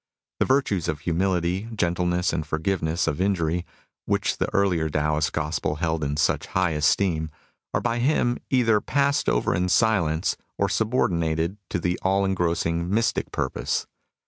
The virtues of humility, gentle ness and forgiveness of injury, which the earlier Taoist gospel held in such high esteem, are by him either passed over in silence or subordinated to the all engrossing mystic purpose.